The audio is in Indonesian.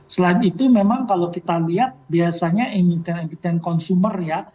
selain itu memang kalau kita lihat biasanya emiten emiten konsumer ya